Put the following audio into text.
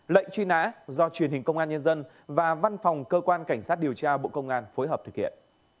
lệnh truy nã do truyền hình công an nhân dân và văn phòng cơ quan cảnh sát điều tra bộ công an phối hợp thực hiện